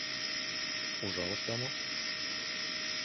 Ужалышда мо?